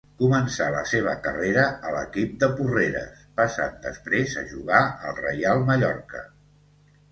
Començà la seva carrera a l'equip de Porreres passant després a jugar al Reial Mallorca.